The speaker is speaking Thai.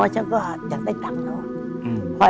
ฉันจะได้ตัวเนาะ